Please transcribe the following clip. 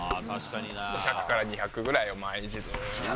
１００から２００ぐらいを毎日ずっとやって。